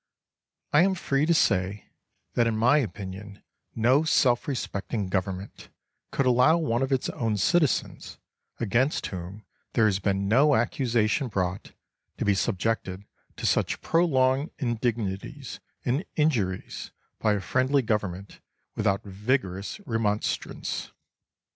I am free to say, that in my opinion no self respecting government could allow one of its own citizens, against whom there has been no accusation brought, to be subjected to such prolonged indignities and injuries by a friendly government without vigorous remonstrance.